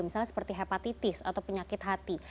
misalnya seperti hepatitis atau penyakit hati